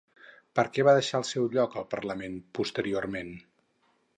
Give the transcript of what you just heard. Per què va deixar el seu lloc al Parlament posteriorment?